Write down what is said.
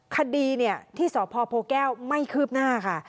คดีที่สพโพแก้วไม่คืบหน้าค่ะ